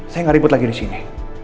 saya gak ribet lagi disini